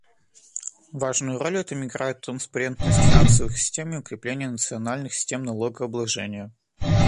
Важную роль в этом играют транспарентность финансовых систем и укрепление национальных систем налогообложения.